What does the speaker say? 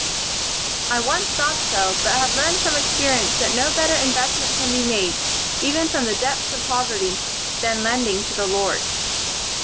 "I once thought so, but have learned from experience that no better investment can be made, even from the depths of poverty, than lending to the Lord."